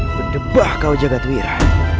berdebah kau jagad wira